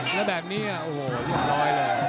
แล้วแบบนี้อ่ะโอ้โหยุบร้อยเลย